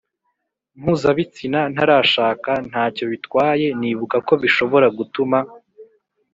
Mpuzabitsina ntarashaka nta cyo bitwaye nibuka ko bishobora gutuma